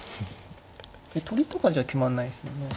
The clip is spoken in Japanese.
取りとかじゃ決まんないですよね。